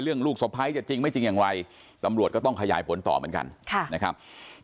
ลูกสะพ้ายจะจริงไม่จริงอย่างไรตำรวจก็ต้องขยายผลต่อเหมือนกันนะครับ